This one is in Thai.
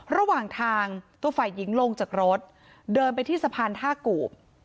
ระหว่างทางตัวฝ่ายหญิงลงจากรถเดินไปที่สะพานท่ากูบ